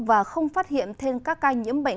và không phát hiện thêm các ca nhiễm bệnh